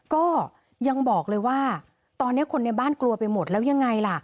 ก็ยังบอกเลยว่าตอนนี้คนในบ้านกลัวไปหมดแล้วยังไงล่ะ